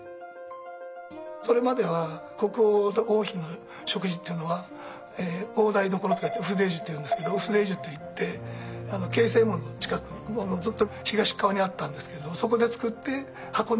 それまでは国王と王妃の食事っていうのは大台所と書いてウフデージュっていうんですけどウフデージュっていって経世門の近くずっと東側にあったんですけどもそこで作って運んできてたと。